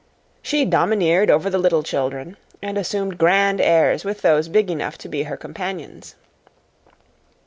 She domineered over the little children, and assumed grand airs with those big enough to be her companions.